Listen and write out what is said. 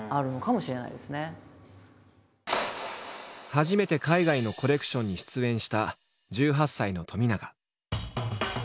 初めて海外のコレクションに出演した１８歳の冨永。